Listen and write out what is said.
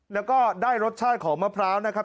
และรสชาติของมะพร้าวนะครับ